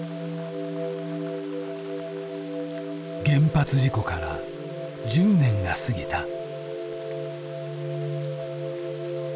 原発事故から１０年が過ぎた。